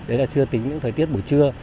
đấy là chưa tính những thời tiết buổi trưa